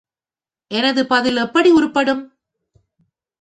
எனது பதில் எப்படி உருப்படும்?